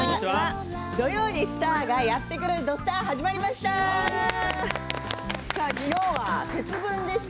土曜にスターがやってくる「土スタ」始まりました。